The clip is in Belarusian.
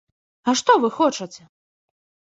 А што вы хочаце?